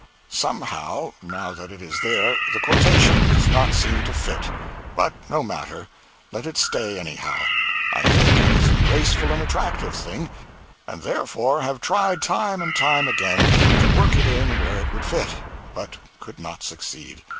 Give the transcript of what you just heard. Somehow, now that it is there, the quotation does not seem to fit—but no matter, let it stay, anyhow. I think it is a graceful and attractive thing, and therefore have tried time and time again to work it in where it would fit, but could not succeed.